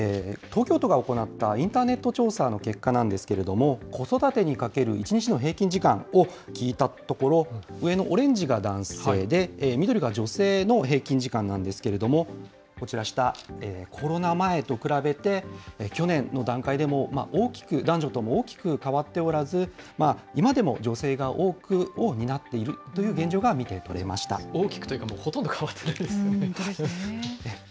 東京都が行った、インターネット調査の結果なんですけれども、子育てにかける１日の平均時間を聞いたところ、上のオレンジが男性で、緑が女性の平均時間なんですけれども、こちら下、コロナ前と比べて、去年の段階でも、大きく、男女とも大きく変わっておらず、今でも女性が多くを担っていると大きくというか、もうほとん本当ですね。